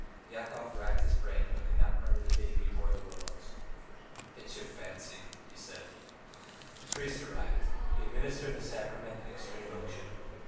Yakov racked his memory, but could not remember the baby or the willows. "It's your fancy," he said. The priest arrived; he administered the sacrament and extreme unction.